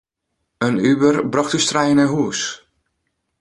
In Uber brocht ús trijen nei hûs.